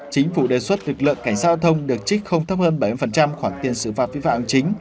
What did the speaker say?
chính phủ đề xuất lực lượng cảnh sát thông được trích không thấp hơn bảy mươi khoản tiền sửa và vi phạm hành chính